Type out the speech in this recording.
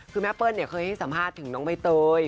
คือแม่เปิ้ลเคยให้สัมภาษณ์ถึงน้องใบเตย